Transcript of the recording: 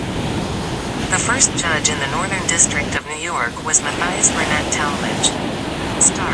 The first judge in the Northern District of New York was Matthias Burnett Tallmadge.